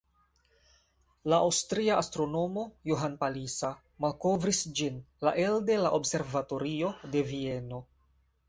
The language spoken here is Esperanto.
La aŭstria astronomo Johann Palisa malkovris ĝin la elde la observatorio de Vieno.